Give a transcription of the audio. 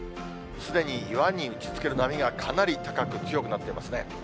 すでに岩に打ちつける波がかなり高く、強くなってますね。